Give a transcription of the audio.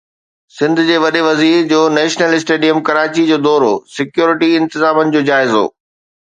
سنڌ جي وڏي وزير جو نيشنل اسٽيڊيم ڪراچي جو دورو، سڪيورٽي انتظامن جو جائزو